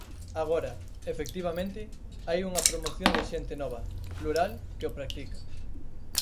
Agora, efectivamente, hai unha promoción de xente nova, plural, que o practica.